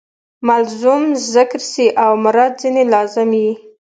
ملزوم ذکر سي او مراد ځني لازم يي.